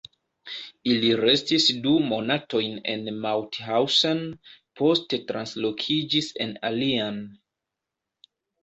Ili restis du monatojn en Mauthausen, poste translokiĝis en alian.